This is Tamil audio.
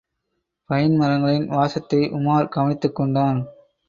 பைன்மரங்களின் வாசத்தை உமார் கவனித்துக் கொண்டான்.